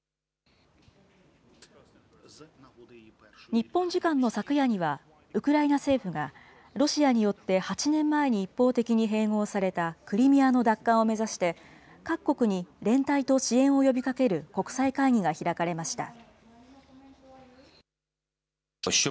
日本時間の昨夜には、ウクライナ政府がロシアによって８年前に一方的に併合されたクリミアの奪還を目指して、各国に連帯と支援を呼びかける国際会議が開かれました。